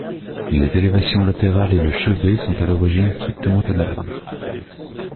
Les élévations latérales et le chevet sont à l'origine strictement analogues.